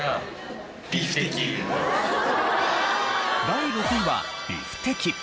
第６位はビフテキ。